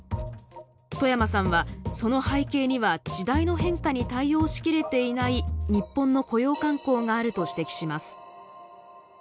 冨山さんは、その背景には時代の変化に対応しきれていない日本の雇用慣行があると指摘します。